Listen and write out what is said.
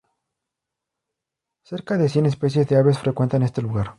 Cerca de cien especies de aves frecuentan este lugar.